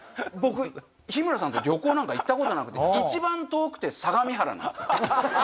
僕日村さんと旅行なんか行ったことなくて一番遠くて相模原なんですよ。